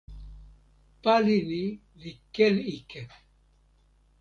pali ni li ken ike.